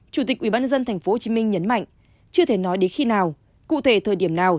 chủ tịch ủy ban nhân dân tp hcm nhấn mạnh chưa thể nói đến khi nào cụ thể thời điểm nào